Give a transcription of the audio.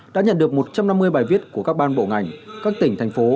đã nhận được một trăm năm mươi bài viết của các ban bộ ngành các tỉnh thành phố